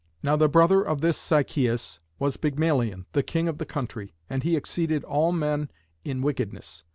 Now the brother of this Sichæus was Pygmalion, the king of the country, and he exceeded all men in wickedness.